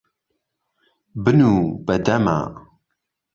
بنوو بە دەما.